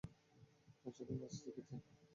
আশা করি নাচ দেখেছেন।